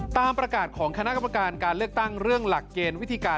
ตามประกาศของคณะกรรมการการเลือกตั้งเรื่องหลักเกณฑ์วิธีการ